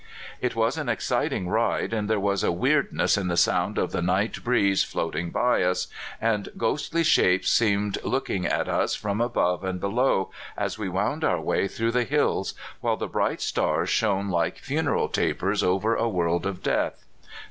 It was an exciting ride, and there was a weirdness in the sound of the night breeze floating by us, and ghost ly shapes seemed looking at us from above and below, as we wound our way through the hills, w^hile the bright stars shone like funeral tapers over a world of death.